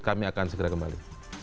kami akan segera kembali